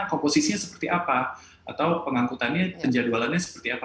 komposisinya seperti apa atau pengangkutannya penjadwalannya seperti apa